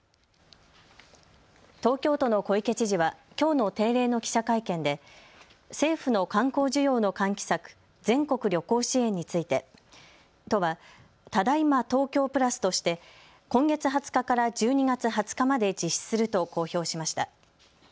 東京都の小池知事はきょうの定例の記者会見で政府の観光需要の喚起策、全国旅行支援について都はただいま東京プラスとして今月２０日から１２月２０日まで実施すると公表しました。